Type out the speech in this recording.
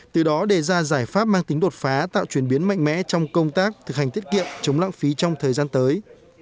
từ đó đề ra giải pháp mang tính đột phá tạo chuyển biến mạnh mẽ trong công tác thực hành tiết kiệm chống lãng phí trong thời gian tới